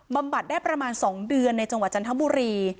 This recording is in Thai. บัดได้ประมาณ๒เดือนในจังหวัดจันทบุรี